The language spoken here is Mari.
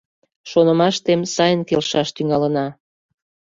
Шонымаштем, сайын келшаш тӱҥалына.